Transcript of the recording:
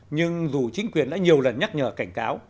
nhưng dù chính quyền đã nhiều lần nhắc nhở cảnh cáo